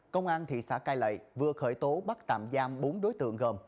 công an thị xã cai lậy vừa khởi tố bắt tạm giam bốn đối tượng gồm